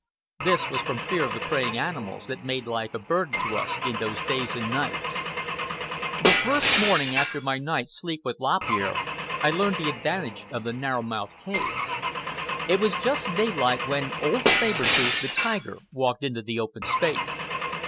This was from fear of the preying animals that made life a burden to us in those days and nights. The first morning, after my night's sleep with Lop Ear, I learned the advantage of the narrow mouthed caves. It was just daylight when old Saber Tooth, the tiger, walked into the open space.